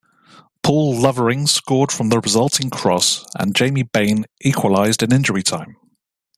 Paul Lovering scored from the resulting cross and Jamie Bain equalised in injury time.